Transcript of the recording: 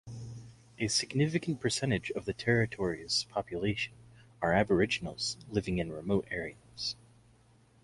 A significant percentage of the Territory's population are Aboriginals living in remote areas.